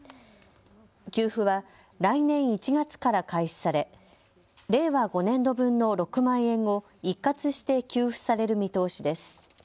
給付は来年１月から開始され令和５年度分の６万円を一括して給付される見通しです。